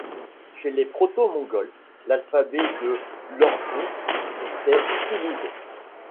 Chez les proto-mongols, l'alphabet de l'Orkhon était utilisé.